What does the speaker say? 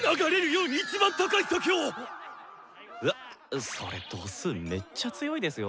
うわっそれ度数めっちゃ強いですよ。